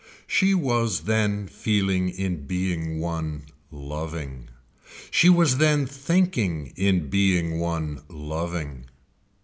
She was then feeling in being one loving, she was then thinking in being one loving.